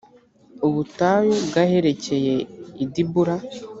ubutayu bw aherekeye i dibula